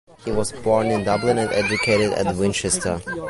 He was born in Dublin and educated at Winchester.